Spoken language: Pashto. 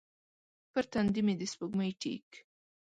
پر تندې مې د سپوږمۍ ټیک